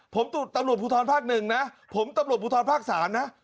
ผมตำรวจภูทรภาคหนึ่งนะผมตำรวจภูทรภาค๓นะ